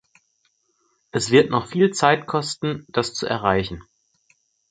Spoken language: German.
Es wird noch viel Zeit kosten, das zu erreichen.